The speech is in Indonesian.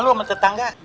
lu sama tetangga